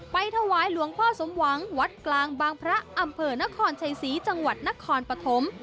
ถวายหลวงพ่อสมหวังวัดกลางบางพระอำเภอนครชัยศรีจังหวัดนครปฐม